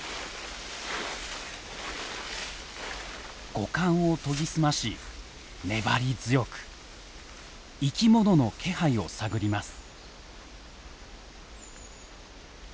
五感を研ぎ澄まし粘り強く生きものの気配を探ります。